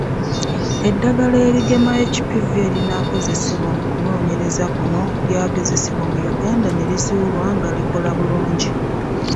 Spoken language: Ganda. Eddagala erigema HPV erinaakozesebwa mu kunoonyereza kuno lyagezesebwa mu Uganda ne lizuulwa nga likola bulungi.